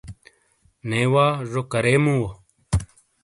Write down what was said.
نے وا، زو کرے مووؤ؟